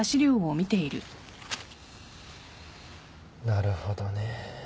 なるほどね。